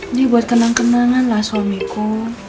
ini buat kenang kenangan lah suamiku